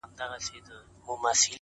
ځوان يوه غټه ساه ورکش کړه،